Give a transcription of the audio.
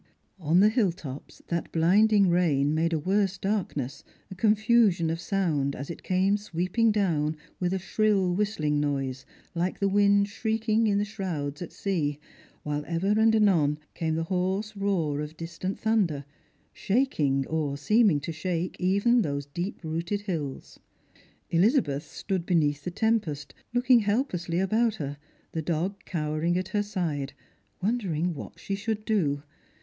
On the hill tops that blinding rain made a worse darkness, a confusion of sound as it came sweeping down with a shrill whistling noise, like the wind shrieking in the shrouds at sea, while ever and anon came the hoarse roar of distant thunder, shaking, or seeming to sliake, even those deep rooted hills. Elizabeth stood beneath the tempest, looking helplessly about her, the dog cowering at her side, wondering what she should do.